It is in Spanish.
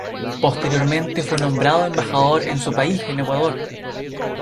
Posteriormente fue nombrado embajador de su país en Ecuador.